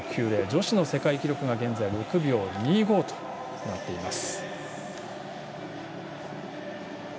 女子の世界記録が現在６秒２５となっています。